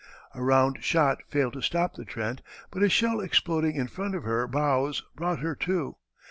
A round shot failed to stop the Trent, but a shell exploding in front of her bows brought her to.